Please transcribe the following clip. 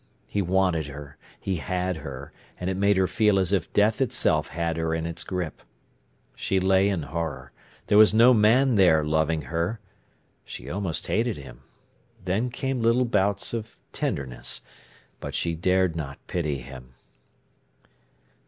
He wanted her—he had her—and it made her feel as if death itself had her in its grip. She lay in horror. There was no man there loving her. She almost hated him. Then came little bouts of tenderness. But she dared not pity him.